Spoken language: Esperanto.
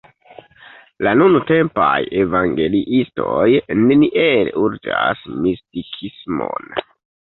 La nuntempaj evangeliistoj neniel urĝas mistikismon.